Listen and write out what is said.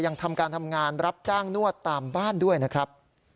ยังทำการทำงานรับจ้างนวดตามบ้านด้วยนะครับ